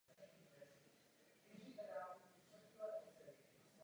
Jeho syn Leopold Jakub Gerard nechal starou tvrz přestavět.